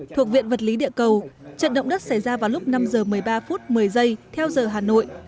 thuộc viện vật lý địa cầu trận động đất xảy ra vào lúc năm h một mươi ba phút một mươi giây theo giờ hà nội